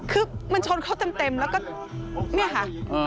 คือมันชนเขาเต็มแล้วก็เนี่ยค่ะ